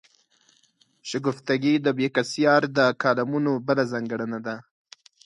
شګفتګي د بېکسیار د کالمونو بله ځانګړنه ده.